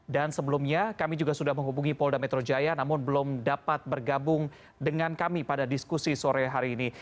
dan sebelumnya kami juga sudah menghubungi polda metro jaya namun belum dapat bergabung dengan kami pada diskusi sore hari ini